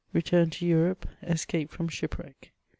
RETURN TO EUROPE— ESCAPE FROM SHIPWRECK.